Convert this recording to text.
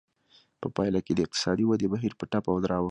په پایله کې د اقتصادي ودې بهیر په ټپه ودراوه.